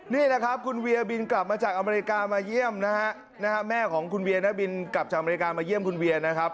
นี่นะครับคุณเวียบินกลับมาจากอเมริกามาเยี่ยมนะครับ